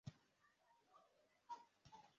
Umugabo agenda hafi yinyubako yijimye